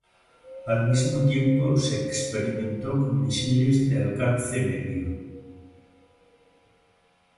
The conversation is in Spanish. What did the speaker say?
Al mismo tiempo se experimentó con misiles de alcance medio.